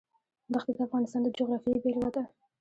دښتې د افغانستان د جغرافیې بېلګه ده.